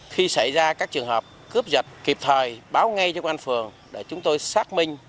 khi xảy ra các trường hợp cướp giật kịp thời báo ngay cho công an phường để chúng tôi xác minh